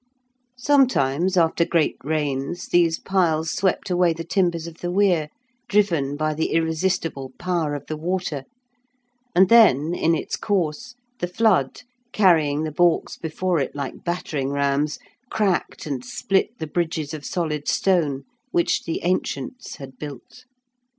Sometimes, after great rains, these piles swept away the timbers of the weir, driven by the irresistible power of the water, and then in its course the flood, carrying the balks before it like battering rams, cracked and split the bridges of solid stone which the ancients had built.